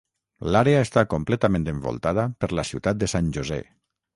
L'àrea està completament envoltada per la ciutat de San José.